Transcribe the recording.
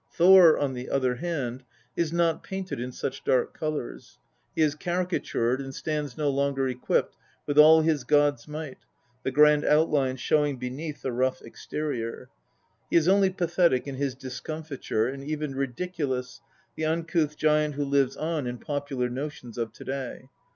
Thor, on the other hand, is not painted in such dark colours. He is caricatured, and stands no longer equipped with all his god's might, the grand outlines showing beneath the rough exterior ; he is only pathetic in his discomfiture, and even ridiculous, the uncouth m giant who lives on in popular notions of to day.